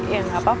ya gak apa apa